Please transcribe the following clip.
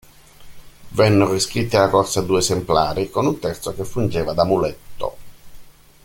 Vennero iscritti alla corsa due esemplari, con un terzo che fungeva da muletto.